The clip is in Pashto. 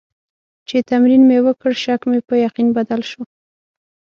چې تمرین مې وکړ، شک مې په یقین بدل شو.